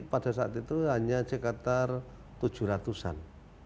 pada saat itu hanya sekitar tujuh ratus an